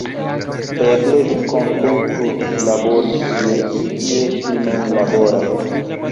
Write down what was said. Eble vi konsentus labori tie, kie ŝi nun laboras.